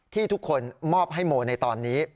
ที่ทุกคนมอบให้โมในตอนนี้